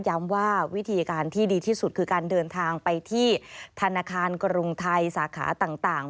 ว่าวิธีการที่ดีที่สุดคือการเดินทางไปที่ธนาคารกรุงไทยสาขาต่าง